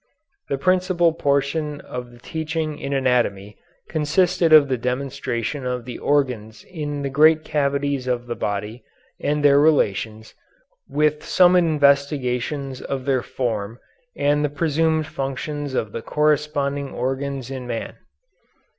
The principal portion of the teaching in anatomy consisted of the demonstration of the organs in the great cavities of the body and their relations, with some investigations of their form and the presumed functions of the corresponding organs in man.